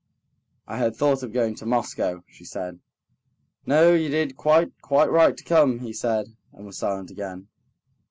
"I had thought of going to Moscow," she said. "No, you did quite, quite right to come," he said, and was silent again.